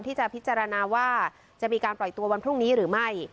พิจารณาว่าจะมีการปล่อยตัววันพรุ่งนี้หรือไม่